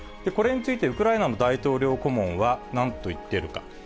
これについて、ウクライナの大統領顧問は、なんと言っているか。